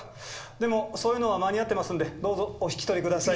でもそういうのは間に合ってますんでどうぞお引き取り下さい。